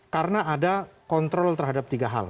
karena ada kontrol terhadap tiga hal